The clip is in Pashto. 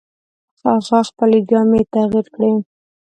هغه خپلې جامې تغیر کړې.